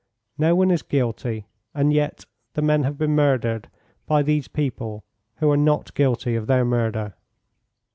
No one is guilty, and yet the men have been murdered by these people who are not guilty of their murder.